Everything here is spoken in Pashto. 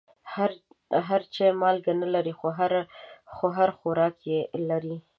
هر چای مالګه نه لري، خو هر خوراک لري.